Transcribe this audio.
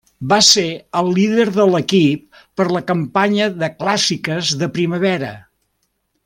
Va ser el líder de l'equip per la campanya de clàssiques de primavera.